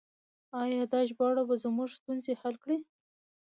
آیا دا ژباړه به زموږ ستونزې حل کړي؟